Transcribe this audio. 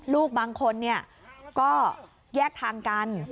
ลูกบางคนเนี่ยก็แยกทางกัน